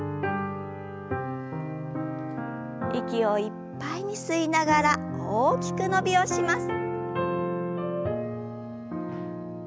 息をいっぱいに吸いながら大きく伸びをします。